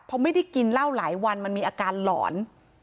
พอไม่ได้กินเหล้าหลายวันมันมีอาการหลอน